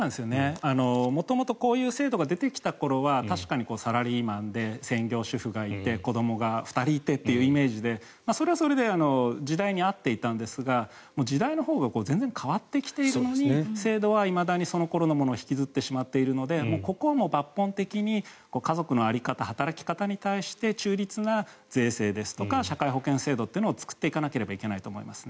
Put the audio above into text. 元々こういう制度が出てきた時は確かにサラリーマンで専業主婦がいて子どもが２人いてというイメージでそれはそれで時代に合っていたんですが時代のほうが全然変わってきているのに制度はいまだに、その頃のものを引きずってしまっているのでここは抜本的に家族の在り方働き方に対して中立な税制ですとか社会保険制度というのを作っていかなければいけないと思いますね。